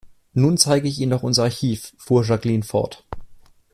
Nun zeige ich Ihnen noch unser Archiv, fuhr Jacqueline fort.